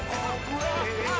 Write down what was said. えっ！